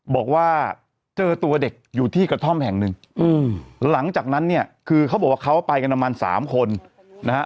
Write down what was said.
บอกว่าเจอตัวเด็กอยู่ที่กระท่อมแห่งหนึ่งหลังจากนั้นเนี่ยคือเขาบอกว่าเขาไปกันประมาณสามคนนะฮะ